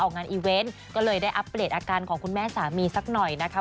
งานอีเวนต์ก็เลยได้อัปเดตอาการของคุณแม่สามีสักหน่อยนะคะ